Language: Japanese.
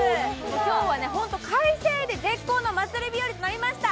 今日は快晴で絶好のお祭り日和となりました。